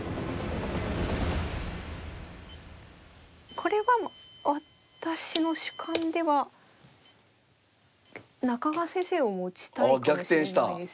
これは私の主観では中川先生を持ちたいかもしれないです。